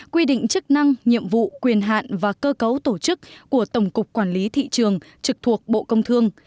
quy định chức năng nhiệm vụ quyền hạn và cơ cấu tổ chức của tổng cục quản lý thị trường trực thuộc bộ công thương